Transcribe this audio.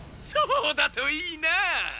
そうだといいな！